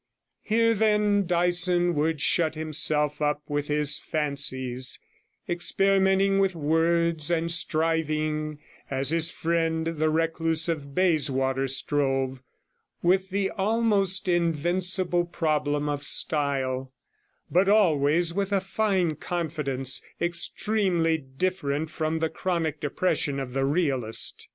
Here, then, Dyson would shut himself up with his fancies, experimenting with words, and striving, as his friend the recluse of Bayswater strove, with the almost invincible problem of style, but always with a fine confidence, extremely different from the chronic depression of the realist.